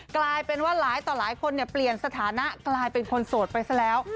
กลายเป็นว่าหลายต่อหลายคนเปลี่ยนสถานะกลายเป็นคนโสดไปซะแล้ว